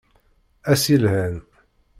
Ass yelhan!